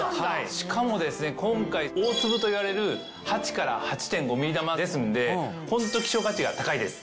しかも今回大粒といわれる８から８．５ｍｍ珠ですのでホント希少価値が高いです。